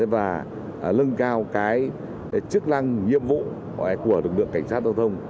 và lân cao chức năng nhiệm vụ của lực lượng cảnh sát giao thông